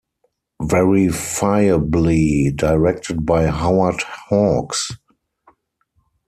Verifiably directed by Howard Hawks.